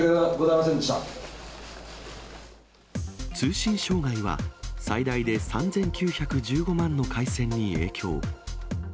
通信障害は最大で３９１５万の回線に影響。